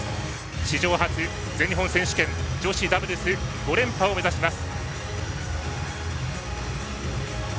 史上初、全日本選手権女子ダブルス５連覇を目指します。